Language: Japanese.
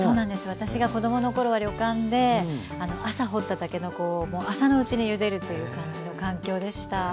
私が子供の頃は旅館で朝掘ったたけのこをもう朝のうちにゆでるっていう感じの環境でした。